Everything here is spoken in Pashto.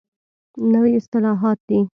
نوي اصطلاحات دي.